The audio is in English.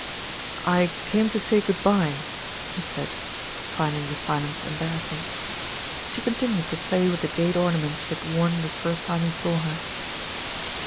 "I came to say good bye," he said, finding the silence embarrassing. 344 THE RETURN OF ALFRED She continued to play with the jade ornament she had worn the first time he saw her.